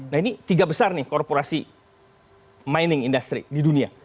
nah ini tiga besar nih korporasi mining industry di dunia